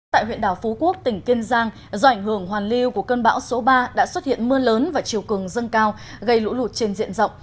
tại huyện đảo phú quốc tỉnh kiên giang do ảnh hưởng hoàn lưu của cơn bão số ba đã xuất hiện mưa lớn và chiều cường dâng cao gây lũ lụt trên diện rộng